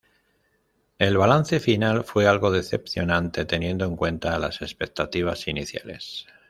El balance final fue algo decepcionante teniendo en cuenta las expectativas iniciales.